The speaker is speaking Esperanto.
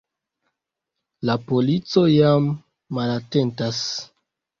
La polico jam malatentas.